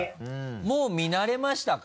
もう見慣れましたか？